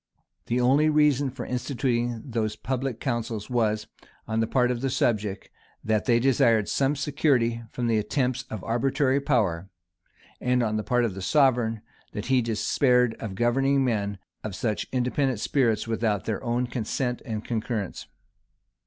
The only reason for instituting those public councils was, on the part of the subject, that they desired some security from the attempts of arbitrary power; and on the part of the sovereign, that he despaired of governing men of such independent spirits without their own consent and concurrence.